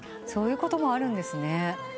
そういうこともあるんですね。